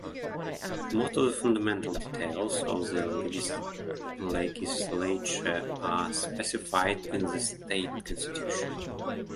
Most of the fundamental details of the legislature are specified in the state constitution.